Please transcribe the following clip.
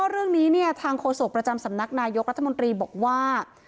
เรื่องนี้เนี่ยทางโฆษกประจำสำนักนายกรัฐมนตรีบอกว่า